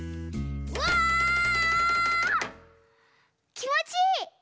きもちいい！